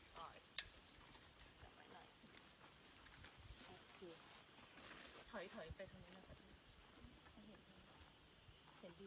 ไม่เอาแต่แบบนี้